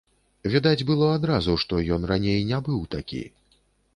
Відаць было адразу, што ён раней не быў такі.